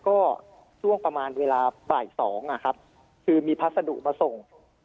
ก็ช่วงประมาณเวลาบ่าย๒นะครับคือมีพัสดุมาส่ง